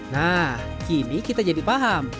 nah kini kita jadi paham